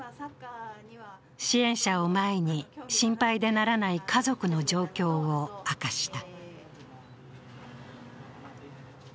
支援者を前に、心配でならない家族の状況を明かした。